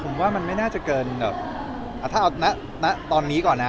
ผมว่ามันไม่น่าจะเกินแบบถ้าเอาณตอนนี้ก่อนนะ